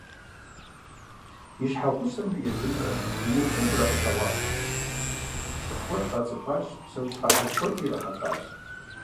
И щхьэгъусэмрэ езымрэ дуней псор зрагъэлъэгъуащ, цӏыху куэд къацӏыхуащ, псэущхьэ ӏэл куэд ирихьэлӏащ.